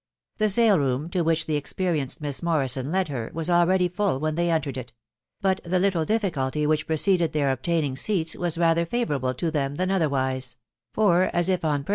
The sale room, to which the experienced Mai Morrison led her, was already full when they entered it; bit the little difficulty which preceded their obtaining seats wa rather favourable to them than otherwise ; for, as if on pur.